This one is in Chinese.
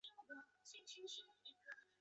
纽黑文是英国东萨塞克斯郡的一个镇。